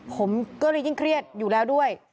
ผมก็เลยยิ่งเครียดอยู่แล้วด้วย